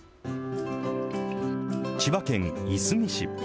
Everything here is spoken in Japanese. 千葉県いすみ市。